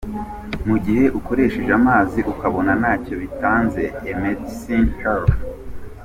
Mu gihe ukoresheje amazi ukabona ntacyo bitanze, emedecinehealth.